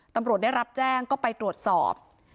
ตำรวจได้รับแจ้งก็ไปตรวจสอบ